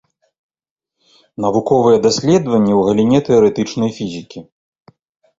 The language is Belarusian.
Навуковыя даследаванні ў галіне тэарэтычнай фізікі.